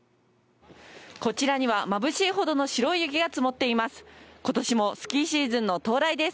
こちらには、まぶしいほどの白い雪が積もっています。